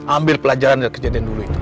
ambil pelajaran dari kejadian dulu itu